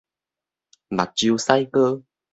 目睭屎膏